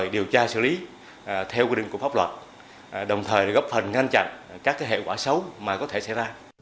đồng thời góp phần ngăn chặn các hệ quả xấu mà có thể xảy ra